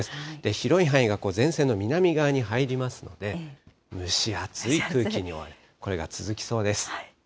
広い範囲が前線の南側に入りますので、蒸し暑い空気に覆われる、これが続きそうです。